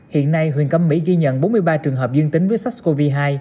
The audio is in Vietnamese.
hiện nay huyện cẩm mỹ ghi nhận bốn mươi ba trường hợp dương tính với sars cov hai